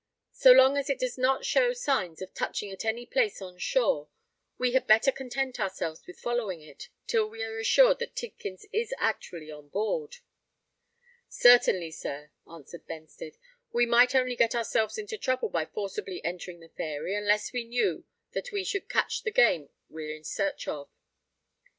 "So long as it does not show signs of touching at any place on shore, we had better content ourselves with following it, till we are assured that Tidkins is actually on board." "Certainly, sir," answered Benstead. "We might only get ourselves into trouble by forcibly entering the Fairy, unless we knew that we should catch the game we're in search of."